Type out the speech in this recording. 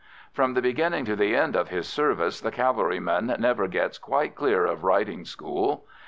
From the beginning to the end of his service the cavalryman never gets quite clear of riding school.